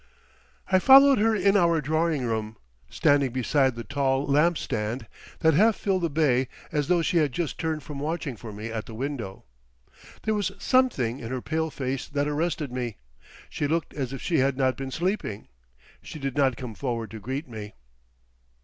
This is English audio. I followed her in our drawing room, standing beside the tall lamp stand that half filled the bay as though she had just turned from watching for me at the window. There was something in her pale face that arrested me. She looked as if she had not been sleeping. She did not come forward to greet me.